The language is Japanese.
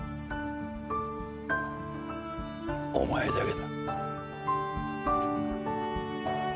お前だけだ。